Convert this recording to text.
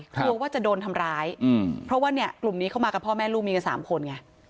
กลัวว่าจะโดนทำร้ายเพราะว่าเนี่ยกลุ่มนี้เข้ามากับพ่อแม่ลูกมีกัน๓คนไง